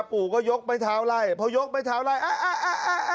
ปู่ก็ยกไปเท้าไล่เพราะยกไปเท้าไล่อ๊ะ